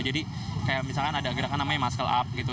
jadi kayak misalkan ada gerakan namanya muscle up